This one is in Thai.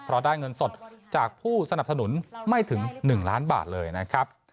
เพราะได้เงินสดจากผู้สนับสนุนไม่ถึง๑ล้านบาทเลยนะครับ